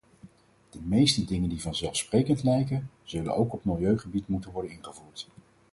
De meeste dingen die vanzelfsprekend lijken, zullen ook op milieugebied moeten worden ingevoerd.